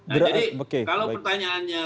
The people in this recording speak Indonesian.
nah jadi kalau pertanyaannya